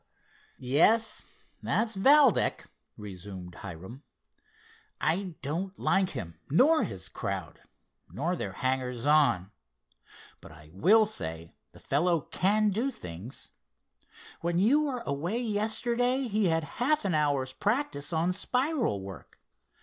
"Yes, that's Valdec," resumed Hiram. "I don't like him, nor his crowd, nor their hangers on, but I will say the fellow can do things. When you were away yesterday he had half an hour's practice on spiral work.